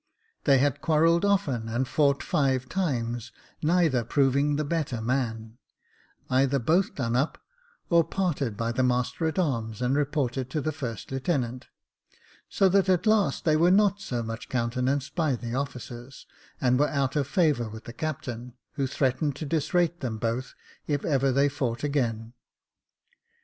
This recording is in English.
They had quarrelled often, and fought five times, neither proving the better man ; either both done up, or parted by the master at arms, and reported to the first lieutenant, so that at last they were not so much countenanced by the officers, and were out of favour with the captain, who threatened to disrate them both if ever they fought again.